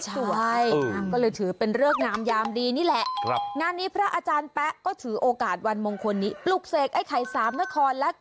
ใช่ก็เลยถือเป็นเรื่องนามยามดีนี่แหละ